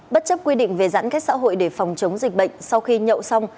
bất chấp quy định về giãn cách xã hội để phòng chống dịch bệnh sau khi nhậu xong